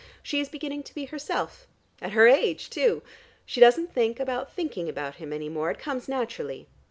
She is beginning to be herself, at her age too! She doesn't think about thinking about him any more: it comes naturally.